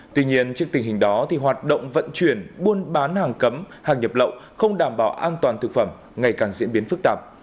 tuy nhiên trước tình hình đó hoạt động vận chuyển buôn bán hàng cấm hàng nhập lậu không đảm bảo an toàn thực phẩm ngày càng diễn biến phức tạp